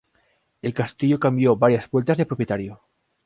El castillo cambió varias vueltas de propietario.